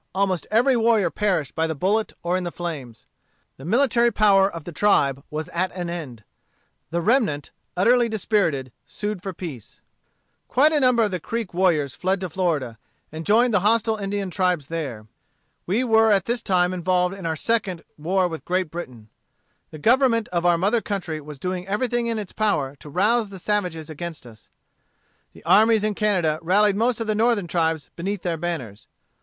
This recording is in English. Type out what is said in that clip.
Almost every warrior perished by the bullet or in the flames. The military power of the tribe was at an end. The remnant, utterly dispirited, sued for peace. Quite a number of the Creek warriors fled to Florida, and joined the hostile Indian tribes there. We were at this time involved in our second war with Great Britain. The Government of our mother country was doing everything in its power to rouse the savages against us. The armies in Canada rallied most of the Northern tribes beneath their banners.